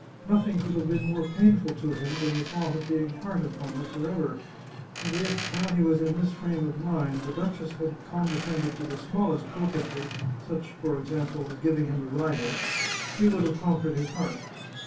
Nothing could have been more painful to him than the thought of being parted from her forever, and if, while he was in this frame of mind, the duchess had con descended to the smallest coquetry — such, for example, as giving him a rival — she would have conquered his heart.